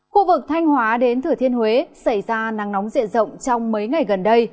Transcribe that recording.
khu vực thanh hóa đến thửa thiên huế xảy ra nắng nóng diện rộng trong mấy ngày gần đây